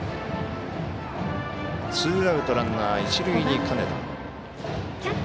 ツーアウトランナー、一塁に金田。